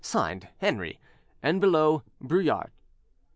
(Signed) HENRI, "And below, BRULART."